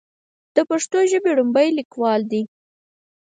د پښتو ژبې وړومبے ليکوال دی